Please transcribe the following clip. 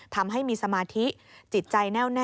ทำให้มีสมาธิจิตใจแน่วแน่